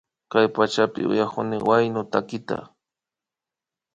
Kay pachapika uyakuni huyano takita